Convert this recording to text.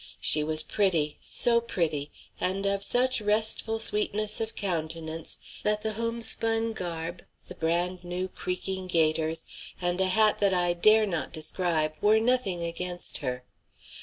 She was pretty; so pretty, and of such restful sweetness of countenance, that the homespun garb, the brand new creaking gaiters, and a hat that I dare not describe were nothing against her.